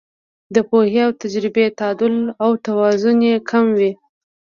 د پوهې او تجربې تعدل او توازن یې کم وي.